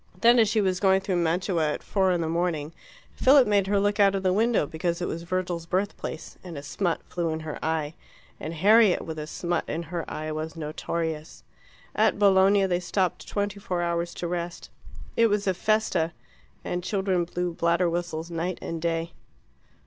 Then, as she was going through Mantua at four in the morning, Philip made her look out of the window because it was Virgil's birthplace, and a smut flew in her eye, and Harriet with a smut in her eye was notorious. At Bologna they stopped twenty four hours to rest. It was a FESTA, and children blew bladder whistles night and day.